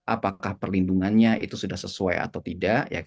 apakah perlindungannya itu sudah sesuai atau tidak